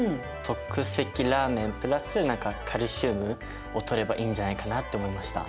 即席ラーメン＋何かカルシウムをとればいいんじゃないかなって思いました。